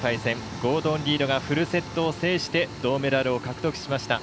ゴードン・リードがフルセットを制して銅メダルを獲得しました。